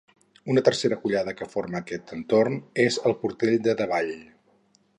Una tercera collada que forma aquest entorn és el Portell de Davall.